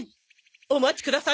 お待ちください！